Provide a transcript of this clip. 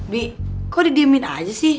bi kok didiemin aja sih